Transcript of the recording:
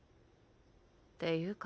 っていうか